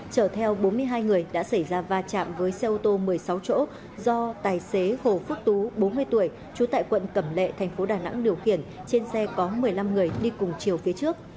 chở theo bốn mươi hai người đã xảy ra va chạm với xe ô tô một mươi sáu chỗ do tài xế hồ phước tú bốn mươi tuổi trú tại quận cẩm lệ thành phố đà nẵng điều khiển trên xe có một mươi năm người đi cùng chiều phía trước